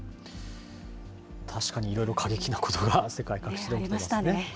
確かに、いろいろ過激なことが世界各地で起きていますね。